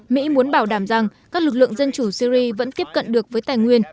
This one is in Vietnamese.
mỹ muốn bảo đảm rằng các lực lượng dân chủ syria vẫn tiếp cận được với tài nguyên